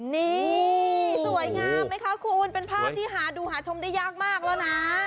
นี่สวยงามไหมคะคุณเป็นภาพที่หาดูหาชมได้ยากมากแล้วนะ